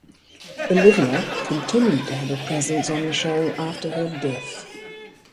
Olivia continued to have a presence on the show after her death.